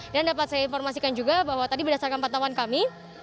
dan dapat saya informasikan juga bahwa tadi berdasarkan pertemuan kami